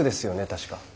確か。